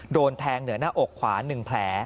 โดนแทงเหนือหน้าอกขวา๑แผล